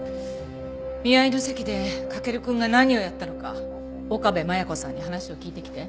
見合いの席で駆くんが何をやったのか岡部真矢子さんに話を聞いてきて。